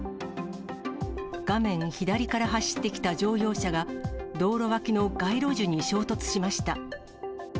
画面左から走ってきた乗用車が、道路脇の街路樹に衝突しました。